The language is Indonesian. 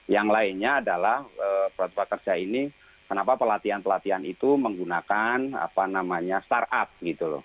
yang lainnya adalah protokol kerja ini kenapa pelatihan pelatihan itu menggunakan startup gitu loh